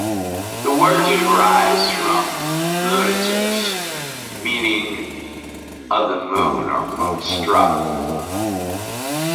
The word derives from "lunaticus" meaning "of the moon" or "moonstruck".